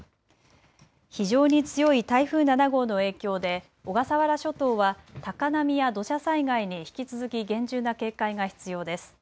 非常に強い台風７号の影響で小笠原諸島は高波や土砂災害に引き続き厳重な警戒が必要です。